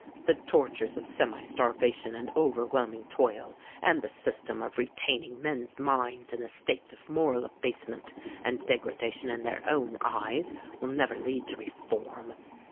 The tortures of semi starvation and overwhelming toil, and the system of retaining men's minds in a state of moral abasement and degradation in their own eyes, will never lead to reform.